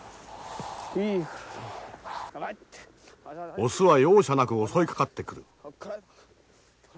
オスは容赦なく襲いかかってくる。